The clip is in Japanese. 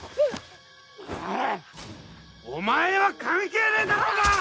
お前は関係ねえだろうが！